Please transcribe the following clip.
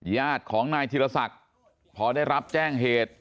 ญาติของนายธิรศักดิ์พอได้รับแจ้งเหตุ